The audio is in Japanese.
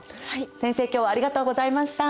先生今日はありがとうございました。